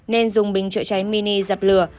nên dùng bình trợ cháy mini dập lửa